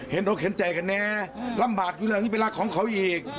อกเห็นใจกันแน่ลำบากอยู่แล้วนี่เป็นรักของเขาอีก